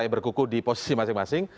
berkuku di posisi masing masing